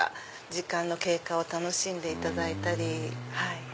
時間の経過を楽しんでいただいたり。